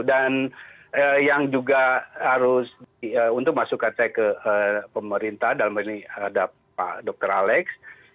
dan yang juga harus untuk masukan saya ke pemerintah dalam ini ada pak dr alex